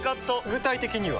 具体的には？